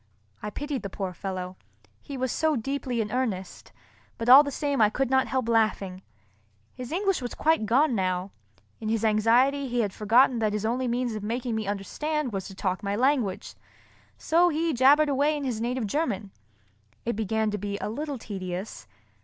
I pitied the poor fellow, he was so deeply in earnest; but all the same I could not help laughing. His English was quite gone now. In his anxiety he had forgotten that his only means of making me understand was to talk my language, so he jabbered away in his native German. It began to be a little tedious.